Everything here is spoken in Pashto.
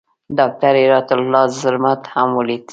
ډاکټر هرات الله زرمت هم ولید.